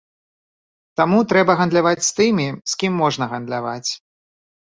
Таму трэба гандляваць з тымі, з кім можна гандляваць.